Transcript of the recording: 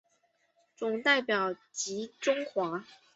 总代表吉钟华。